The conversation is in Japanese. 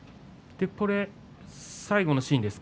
最後のシーンです。